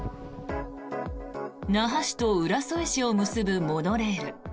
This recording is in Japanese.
那覇市と浦添市を結ぶモノレール。